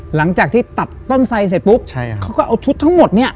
หลังจากที่ตัดต้นไสเสร็จปุ๊บเขาก็เอาชุดทั้งหมดเนี่ย